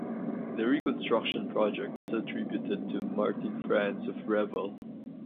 The reconstruction project is attributed to Martin Franz of Reval.